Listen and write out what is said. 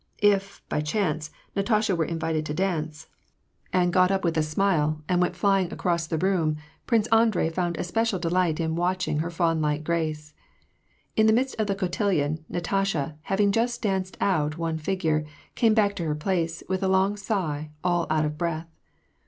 If, by chance, Natasha were invited to dance, and got AND PEACB. 209 np with a smile, and went flying across the room, Prince Andrei found especial delight in watching her fawn like grace. In the midst of the cotillion^ Natasha, having just danced out one figure, came back to her place, with a long sigh, all out of breath.